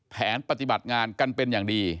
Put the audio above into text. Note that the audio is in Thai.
แผนปฏิบัติงานกันเป็นอย่างดี